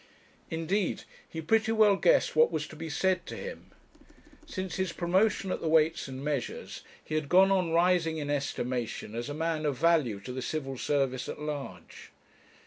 Indeed, he pretty well guessed what was to be said to him. Since his promotion at the Weights and Measures he had gone on rising in estimation as a man of value to the Civil Service at large.